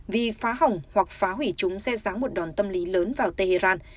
vì phá hỏng hoặc phá hủy chúng sẽ giá một đòn tâm lý lớn vào tehran